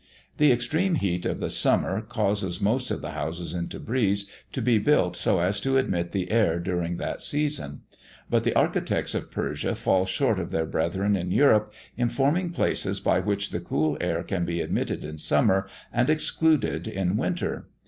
"The extreme heat of the summer causes most of the houses in Tebreez to be built so as to admit the air during that season; but the architects of Persia fall short of their brethren in Europe, in forming places by which the cool air can be admitted in summer, and excluded in winter.